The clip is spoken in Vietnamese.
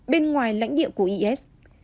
bên ngoài lãnh địa của is